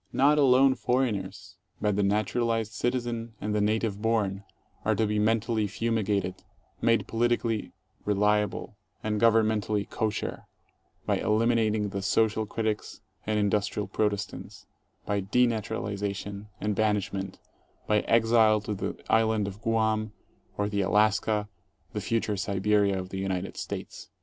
Not alone foreigners, but the naturalized citizen and the native born are to be mentally fumi gated, made politically "reliable" and governmentally kosher, by eliminating the social critics and industrial protestants, by denatural ization and banishment, by exile to the Island of Guam or to Alaska, the future Siberia of the United States.